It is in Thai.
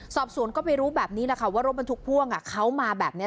สอบสวนก็ไปรู้แบบนี้แหละค่ะว่ารถบรรทุกพ่วงเขามาแบบนี้